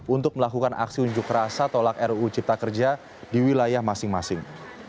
untuk melakukan aksi unjuk rasa tolak ruu cipta kerja di wilayah masing masing